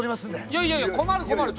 いやいやいや困る困る。